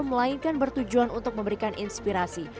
melainkan bertujuan untuk memberikan inspirasi